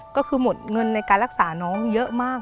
ก็คือหมดเงินในการรักษาน้องเยอะมาก